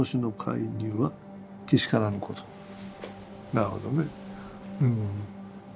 なるほどね。